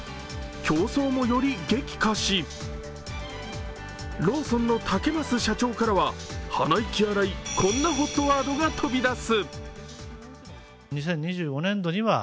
競争も、より激化しローソンの竹増社長からは鼻息荒いこんなＨＯＴワードが飛び出す。